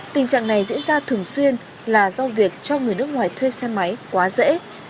tình trạng này diễn ra thường xuyên là do việc cho người nước ngoài thuê xe máy quá dễ